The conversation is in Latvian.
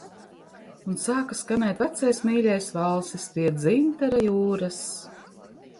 "Un sāka skanēt vecais mīļais valsis "Pie Dzintara jūras"."